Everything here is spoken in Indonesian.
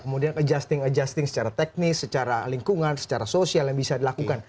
kemudian adjusting adjusting secara teknis secara lingkungan secara sosial yang bisa dilakukan